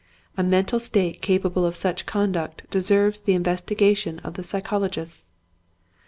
A mental state capable of such conduct deserves the investigation of the psychologists.